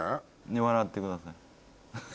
笑ってください。